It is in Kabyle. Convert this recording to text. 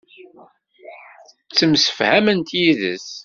Ttemsefhament yid-s.